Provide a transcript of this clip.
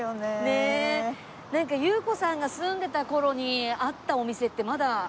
ゆう子さんが住んでた頃にあったお店ってまだ。